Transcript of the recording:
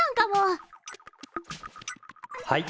はい。